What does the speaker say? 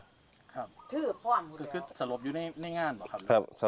คือสลบอยู่ในงานหรือครับ